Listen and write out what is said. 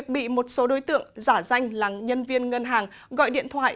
bị một số đối tượng giả danh là nhân viên ngân hàng gọi điện thoại